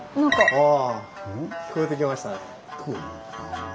あ聞こえてきましたね。